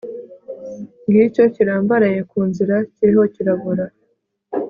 ngicyo kirambaraye ku nzira kiriho kirabora